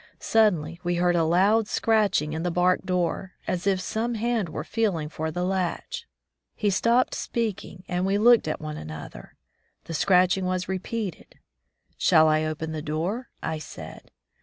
Sud denly we heard a loud scratching on the bark door, as if some hand were feeling for the 180 Bach to the Woods latch. He stopped speaking and we looked at one another. The scratching was re peated. " Shall I open the door ?" I said.